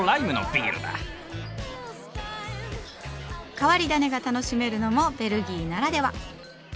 変わり種が楽しめるのもベルギーならでは。